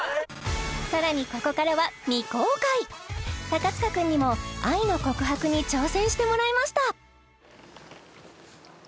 さらにここからは未公開塚くんにも愛の告白に挑戦してもらいました